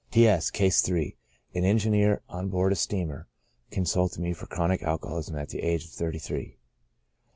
T. S' —, (Case 3,) an engineer on board a steamboat, con sulted me for chronic alcoholism at the age of thirty three.